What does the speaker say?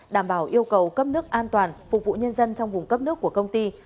đảm bảo yêu cầu cấp nước an toàn phục vụ nhân dân trong vùng cấp nước của công ty